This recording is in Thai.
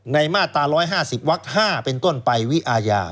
มาตรา๑๕๐วัก๕เป็นต้นไปวิอาญา